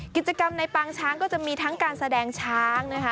กิจกรรมในปางช้างก็จะมีทั้งการแสดงช้างนะคะ